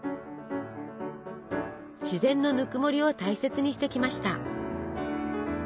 自然のぬくもりを大切にしてきました。